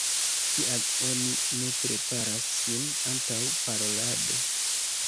Kial oni ne preparas sin antaŭ parolado?